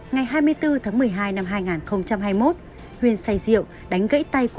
ngày hai mươi bốn tháng một mươi hai năm hai nghìn hai mươi một huyên say riêng